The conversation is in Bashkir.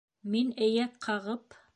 Мин, эйәк ҡағып: